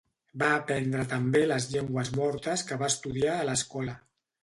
Va aprendre també les llengües mortes que va estudiar a l'escola.